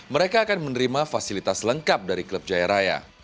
mereka akan menerima fasilitas lengkap dari klub jaya raya